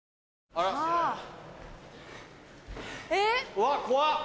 うわ怖っ。